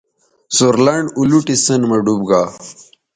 سور لنڈ اولوٹی سیئن مہ ڈوب گا